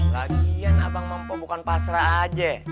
lagian abang mampu bukan pasrah aja